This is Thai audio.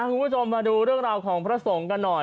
คุณผู้ชมมาดูเรื่องราวของพระสงฆ์กันหน่อย